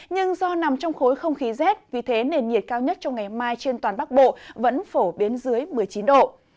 nhưng do nằm trong khối không khí rét vì thế nền nhiệt cao nhất trong ngày mai trên toàn bắc bộ vẫn phổ biến dưới một mươi chín độ